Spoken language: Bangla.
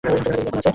কিন্তু এখন আছে।